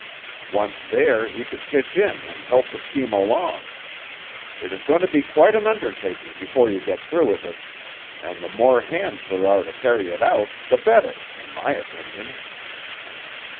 Once there he could pitch in and help the scheme along. It is going to be quite an undertaking before you get through with it, and the more hands there are to carry it out, the better, in my opinion."